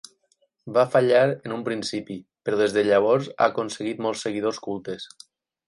Va fallar en un principi, però des de llavors ha aconseguit molts seguidors cultes.